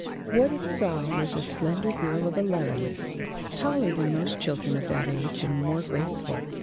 What it saw was a slender girl of eleven, taller than most children of that age, and more graceful.